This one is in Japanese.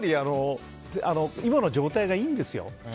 今の状態がいいんですよ。